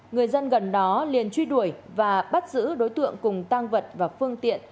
người dân gần đó liền truy đuổi và bắt giữ đối tượng cùng tăng vật và phương tiện